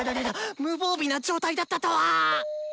無防備な状態だったとは！